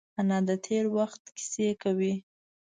انا د تېر وخت کیسې کوي